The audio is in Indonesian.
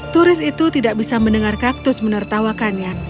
turis itu tidak bisa mendengar kaktus menertawakannya